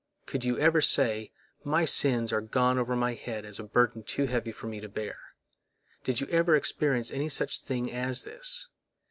Could you ever say, My sins are gone over my head as a burden too heavy for me to bear? Did you ever experience any such thing as this?